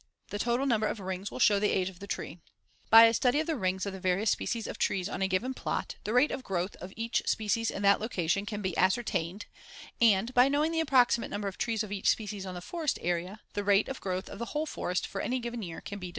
The total number of rings will show the age of the tree. By a study of the rings of the various species of trees on a given plot, the rate of growth of each species in that location can be ascertained and, by knowing the approximate number of trees of each species on the forest area, the rate of growth of the whole forest for any given year can be determined.